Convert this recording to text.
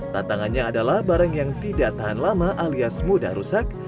tantangannya adalah barang yang tidak tahan lama alias mudah rusak